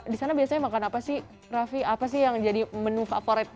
di sana biasanya makan apa sih raffi apa sih yang jadi menu favorit